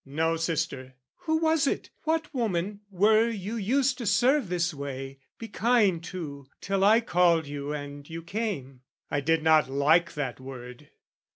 "No sister." "Who was it "What woman were you used to serve this way, "Be kind to, till I called you and you came?" I did not like that word.